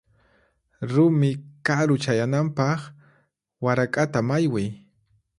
Rumi karu chayananpaq warak'ata maywiy.